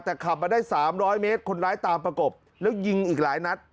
แต่ขับมาได้๓๐๐เมตรคนร้ายตามประกบแล้วยิงอีกหลายนัด